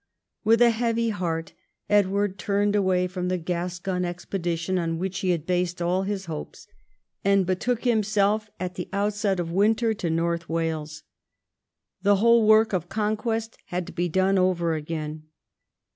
With a heavy heart Edward turned away from the Gascon expedition on which he had based all his hopes, and betook himself at the outset of winter to North Wales. The whole work of conquest had to be done over again.